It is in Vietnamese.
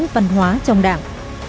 văn hóa trong đảng